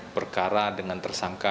perkara dengan tersangka